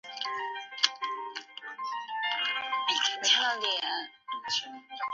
里弗代尔是位于美国加利福尼亚州弗雷斯诺县的一个人口普查指定地区。